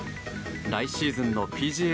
来シーズンのＰＧＡ